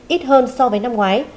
ít hơn so với năm ngoái